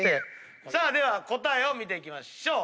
では答えを見ていきましょう。